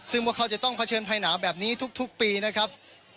ซึ่งพวกเขาจะต้องเผชิญภัยหนาวแบบนี้ทุกปีนะครับ